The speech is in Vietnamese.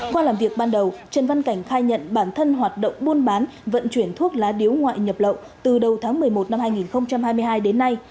qua làm việc ban đầu trần văn cảnh khai nhận bản thân hoạt động buôn bán vận chuyển thuốc lá điếu ngoại nhập lậu từ đầu tháng một mươi một năm hai nghìn hai mươi hai đến nay